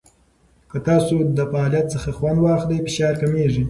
که تاسو د فعالیت څخه خوند واخلئ، فشار کمېږي.